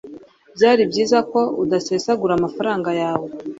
byari byiza ko udasesagura amafaranga yawe